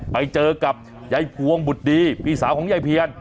ไปเจอกับยายพวงบุตรดีพี่สาวของยายเพียร